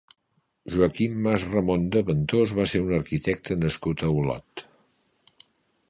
Joaquim Masramon de Ventós va ser un arquitecte nascut a Olot.